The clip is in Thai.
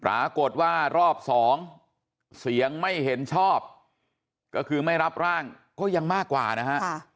ปรากฏว่ารอบสองเสียงไม่เห็นชอบก็คือไม่รับร่างก็ยังมากกว่านะฮะ